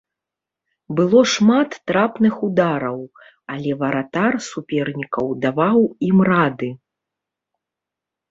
Было шмат трапных удараў, але варатар супернікаў даваў ім рады.